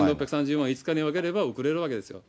４６３０万円を５日に分ければ送れるわけですよ。